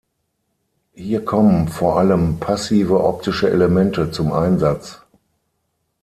Hier kommen vor allem passive optische Elemente zum Einsatz.